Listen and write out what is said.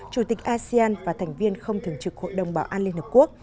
chủ tịch asean và thành viên không thường trực hội đồng bảo an liên hợp quốc